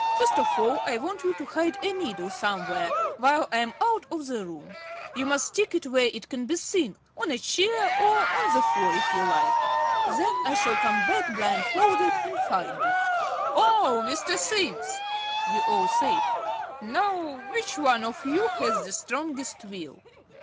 First of all I want you to hide a needle somewhere, while I am out of the room. You must stick it where it can be seen on a chair or on the floor if you like. Then I shall come back blindfolded and find it." "Oh, Mr. Simms!" we all said. "Now, which one of you has the strongest will?"